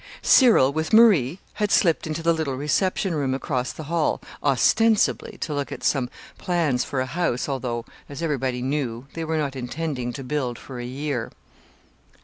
Cyril, with Marie, had slipped into the little reception room across the hall, ostensibly to look at some plans for a house, although as everybody knew they were not intending to build for a year.